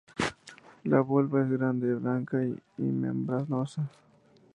La volva es grande, blanca y membranosa.